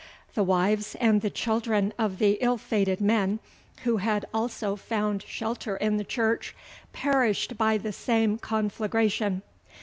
The wives and the children of the ill fated men, who had also found shelter in the church, perished by the same conflagration.